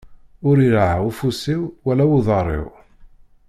Ur iraɛ ufus-iw, wala uḍaṛ-iw.